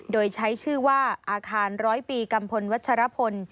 โดยใช้ชื่อว่าอาคารร้อยปีกัมพลวัชรพล